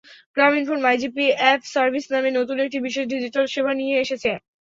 Grameenphone my GP app service নামে নতুন একটি বিশেষ ডিজিটাল সেবা নিয়ে এসেছে।